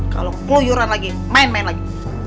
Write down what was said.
kalau keluyuran lagi main main lagi